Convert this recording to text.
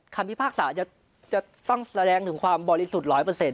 พิพากษาจะต้องแสดงถึงความบริสุทธิ์๑๐๐